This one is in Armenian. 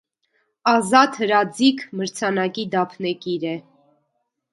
«Ազատ հրաձիգ» մրցանակի դափնեկիր է։